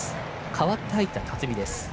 代わって入った辰己です。